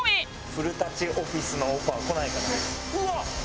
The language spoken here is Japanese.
古舘オフィスのオファーこないかな？